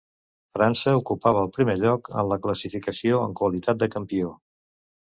França ocupava el primer lloc en la classificació en qualitat de campió.